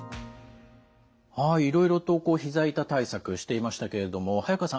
はいいろいろとこうひざ痛対策していましたけれども早川さん